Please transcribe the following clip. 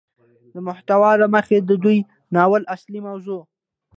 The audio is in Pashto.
د محتوا له مخې ده دې ناول اصلي موضوع